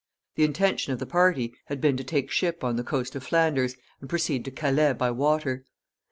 The intention of the party had been to take ship on the coast of Flanders, and proceed to Calais by water.